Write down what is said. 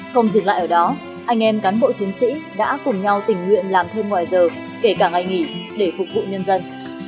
không dừng lại ở đó anh em cán bộ chiến sĩ đã cùng nhau tình nguyện làm thêm ngoài giờ kể cả ngày nghỉ để phục vụ nhân dân